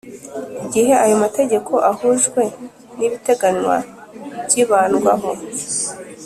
Igihe ayo mategeko ahujwe n’ibiteganywa byibandwaho